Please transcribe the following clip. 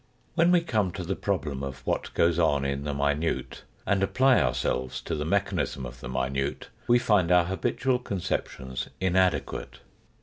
When we come to the problem of what goes on in the minute, and apply ourselves to the mechanism of the minute, we find our habitual conceptions inadequate.